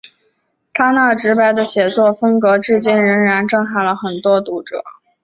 他那直白的写作风格至今仍然震撼了很多读者。